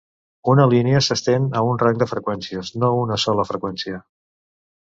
Una línia s'estén a un rang de freqüències, no una sola freqüència.